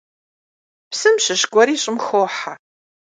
Псым щыщ гуэри щӀым хохьэ.